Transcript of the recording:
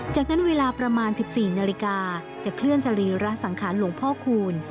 จากนั้นเวลาประมาณ๑๔นาฬิกาจะเคลื่อนสรีระสังขารหลวงพ่อคูณ